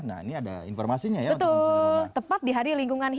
nah ini ada informasinya ya